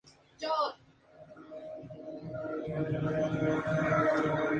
Entrando por el patio de armas, aparece la fachada principal renacentista del edificio.